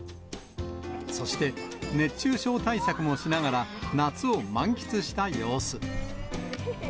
そして、熱中症対策もしながら夏を満喫した様子。